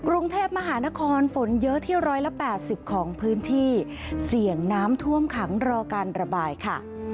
กรุงเทพมหานครฝนเยอะที่๑๘๐ของพื้นที่เสี่ยงน้ำท่วมขังรอการระบายค่ะ